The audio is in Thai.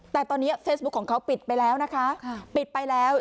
แต่ตอนนี้เฟซบุ๊คของเขาปิดไปแล้วนะคะปิดไปแล้ว